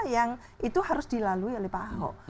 yang itu harus dilalui oleh pak ahok